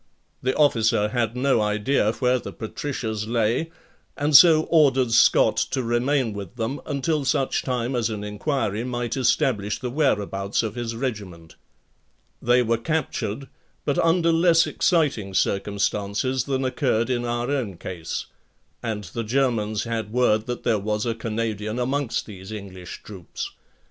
The officer had no idea where the Patricias lay and so ordered Scott to remain with them until such time as an inquiry might establish the whereabouts of his regiment. They were captured, but under less exciting circumstances than occurred in our own case. And the Germans had word that there was a Canadian amongst these English troops.